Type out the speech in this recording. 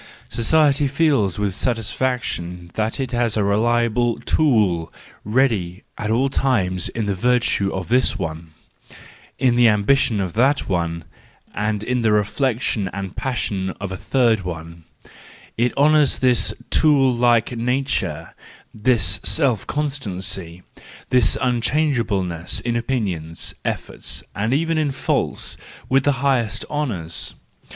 Society feels with satisfaction that it has a reliable tool ready at all times in the virtue of this one, in the ambition of that one, and in the reflection and passion of a third one,—it honours this tool like nature , this self constancy, this unchangeableness in opinions, efforts, and even in faults, with the highest honours.